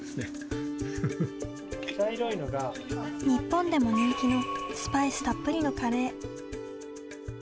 日本でも人気のスパイスたっぷりのカレー。